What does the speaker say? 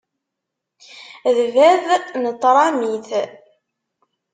D bab n tṛamit.